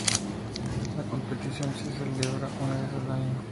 La competición se celebra una vez al año.